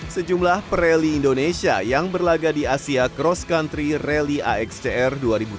sejumlah pereli indonesia yang berlaga di asia cross country rally axcr dua ribu dua puluh